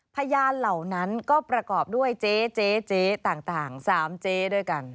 เหล่านั้นก็ประกอบด้วยเจ๊ต่าง๓เจ๊ด้วยกัน